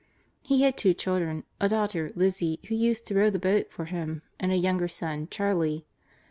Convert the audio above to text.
He had two children a daughter, Lizzie, who used to row the boat for him, and a younger son, Charley.